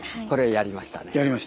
これはやりましたね。